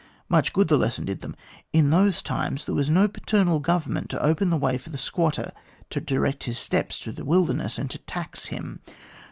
Much good the lesson did them. In those times there was no paternal Government to open the way for the squatter, to direct his steps through the wilderness, and to tax him.